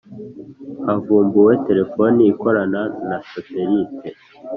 Havumbuwe telefoni ikorana na satellite.